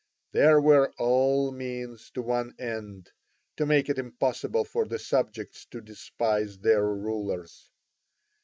These were all means to one end; to make it impossible for the subjects to despise their rulers.